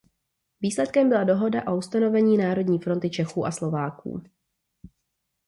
Výsledkem byla dohoda o ustanovení Národní fronty Čechů a Slováků.